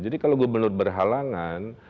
jadi kalau gubernur berhalangan